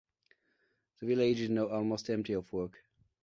The village is now almost empty of work.